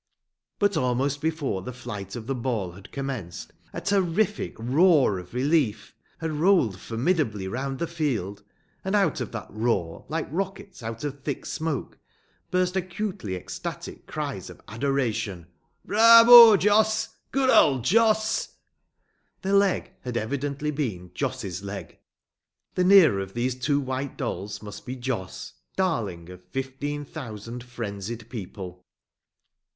But almost before the flight of the ball had commenced, a terrific roar of relief had rolled formidably round the field, and out of that roar, like rockets out of thick smoke, burst acutely ecstatic cries of adoration: "Bravo, Jos!" "Good old Jos!" The leg had evidently been Jos's leg. The nearer of these two white dolls must be Jos, darling of fifteen thousand frenzied people.